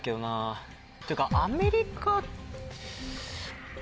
ていうかアメリカ。